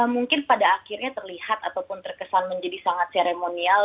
mungkin pada akhirnya terlihat ataupun terkesan menjadi sangat seremonial